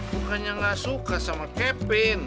bukannya gak suka sama kevin